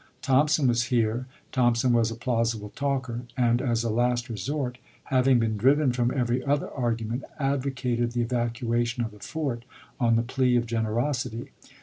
Thompson was here — Thompson was a plausible talker — and as a last resort, having been driven from every other argument, advocated the evacuation of the fort on the plea of generosity.